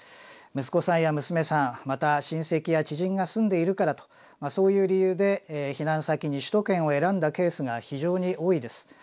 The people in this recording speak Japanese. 息子さんや娘さんまた親戚や知人が住んでいるからとそういう理由で避難先に首都圏を選んだケースが非常に多いです。